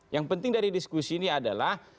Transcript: yang penting dari diskusi ini adalah